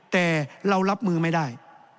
แต่เรารับมือไม่ได้